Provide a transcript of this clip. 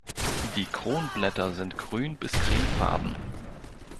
Die Kronblätter sind grün bis cremefarben.